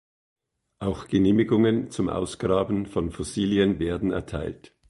Auch Genehmigungen zum Ausgraben von Fossilien werden erteilt.